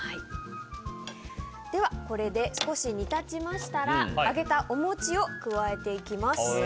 では、これで少し煮立ちましたら揚げたお餅を加えていきます。